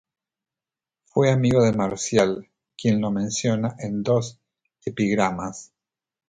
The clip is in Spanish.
Fue amigo de Marcial quien lo menciona en dos epigramas.